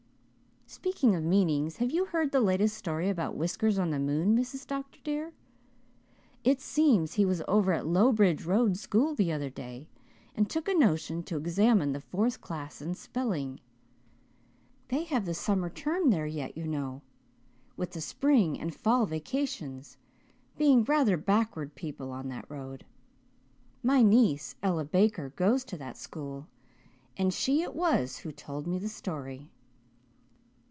Speaking of meanings, have you heard the latest story about Whiskers on the moon, Mrs. Dr. dear? It seems he was over at the Lowbridge Road school the other day and took a notion to examine the fourth class in spelling. They have the summer term there yet, you know, with the spring and fall vacations, being rather backward people on that road. My niece, Ella Baker, goes to that school and she it was who told me the story.